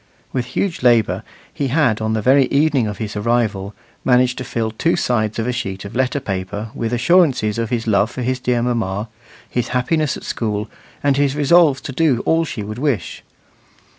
With huge labour he had, on the very evening of his arrival, managed to fill two sides of a sheet of letter paper with assurances of his love for dear mamma, his happiness at school, and his resolves to do all she would wish.